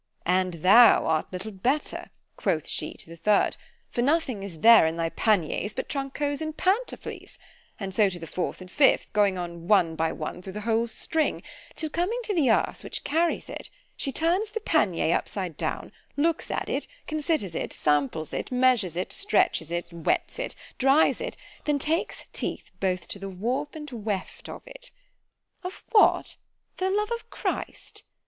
——And thou art little better, quoth she to the third; for nothing is there in thy panniers but trunk hose and pantofles—and so to the fourth and fifth, going on one by one through the whole string, till coming to the asse which carries it, she turns the pannier upside down, looks at it—considers it—samples it—measures it—stretches it—wets it—dries it—then takes her teeth both to the warp and weft of it. ——Of what? for the love of Christ!